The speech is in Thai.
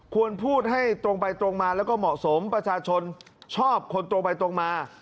ควรพูดให้ตรงไปตรงมาแล้วก็เหมาะสมประชาชนชอบคนตรงไปตรงมา